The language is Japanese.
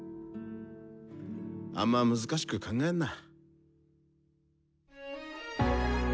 あんま難しく考えんな。